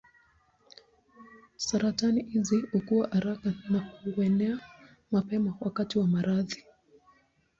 Saratani hizi hukua haraka na kuenea mapema wakati wa maradhi.